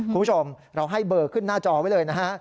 คุณผู้ชมเราให้เบอร์ขึ้นหน้าจอไว้เลยนะฮะ